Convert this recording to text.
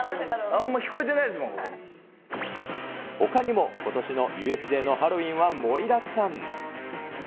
あんまり聞こえてないですもほかにも、ことしのＵＳＪのハロウィーンは盛りだくさん。